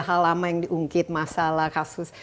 hal lama yang diungkit masalah kasus